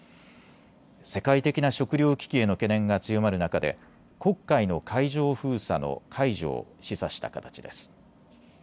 世界的な食糧危機への懸念が強まる中で黒海の海上封鎖の解除を示唆した形です。